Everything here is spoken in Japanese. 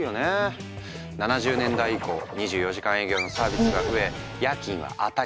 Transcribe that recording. ７０年代以降２４時間営業のサービスが増え夜勤は当たり前。